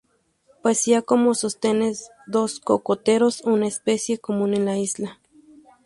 Poseía como sostenes dos cocoteros, una especie común en la isla.